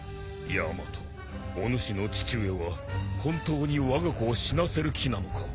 ヤマトおぬしの父上は本当にわが子を死なせる気なのか？